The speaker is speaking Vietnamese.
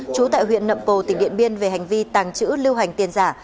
trú tại huyện nậm pồ tỉnh điện biên về hành vi tàng trữ lưu hành tiền giả